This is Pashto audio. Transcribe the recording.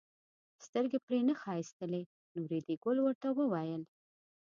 سترګې پرې نه ښایستلې نو ریډي ګل ورته وویل.